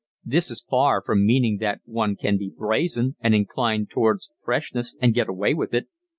This is far from meaning that one can be brazen and inclined towards freshness and get away with it.